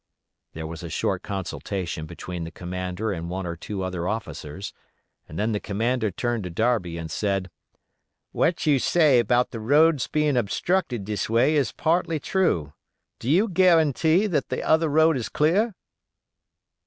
There was a short consultation between the commander and one or two other officers, and then the commander turned to Darby, and said: "What you say about the road's being obstructed this way is partly true; do you guarantee that the other road is clear?"